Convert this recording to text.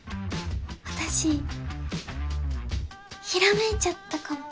私ひらめいちゃったかも